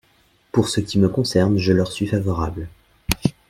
Pour ce qui me concerne, je leur suis favorable.